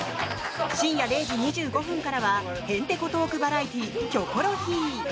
深夜０時２５分からはへんてこトークバラエティー「キョコロヒー」。